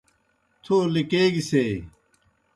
تھو لِکیگِسیئی۔